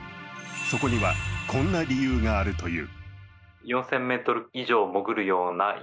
そこにはこんな理由があるという。